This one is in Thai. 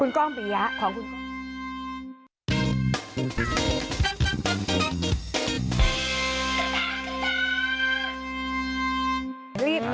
คุณกล้องปียะของคุณกล้องปียะ